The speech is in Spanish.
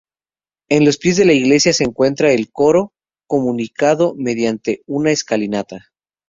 En los pies de la iglesia se encuentra el coro, comunicado mediante una escalinata.